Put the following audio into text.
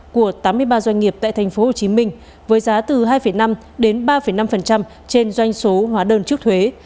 của tám mươi ba doanh nghiệp tại tp hcm với giá từ hai năm đến ba năm trên doanh số hóa đơn trước thuế